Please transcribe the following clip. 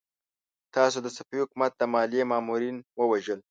تاسو د صفوي حکومت د ماليې مامورين ووژل!